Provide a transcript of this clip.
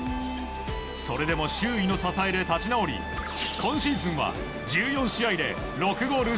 それでも周囲の支えで立ち直り今シーズンは１４試合で６ゴール